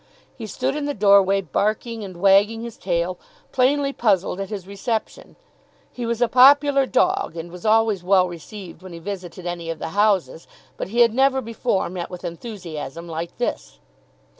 He stood in the doorway, barking and wagging his tail, plainly puzzled at his reception. He was a popular dog, and was always well received when he visited any of the houses, but he had never before met with enthusiasm like this.